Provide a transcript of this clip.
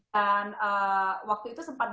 dan waktu itu sempat diberitahu